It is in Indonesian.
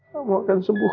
kamu akan sembuh